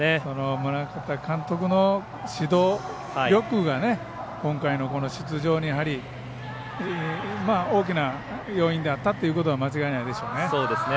宗像監督の指導力が今回の出場に大きな要因であったということは間違いないでしょうね。